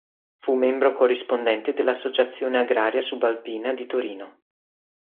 Fu membro corrispondente dell'Associazione agraria subalpina di Torino.